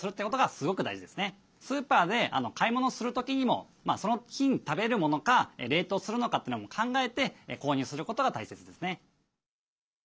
スーパーで買い物する時にもその日に食べるものか冷凍するのかというのを考えて購入することが大切ですね。